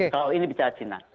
kalau ini bicara cina